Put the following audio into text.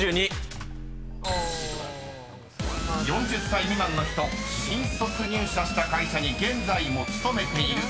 ［４０歳未満の人新卒入社した会社に現在も勤めている。